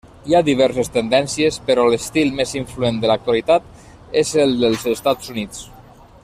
Hi ha diverses tendències, però l'estil més influent de l'actualitat és el dels Estats Units.